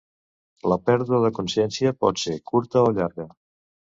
La pèrdua de consciència pot ser curta o llarga.